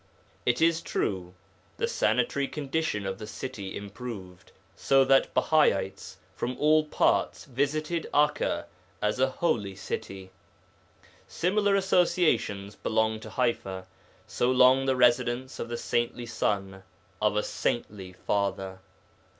It is true, the sanitary condition of the city improved, so that Bahaites from all parts visited Akka as a holy city. Similar associations belong to Ḥaifa, so long the residence of the saintly son of a saintly father.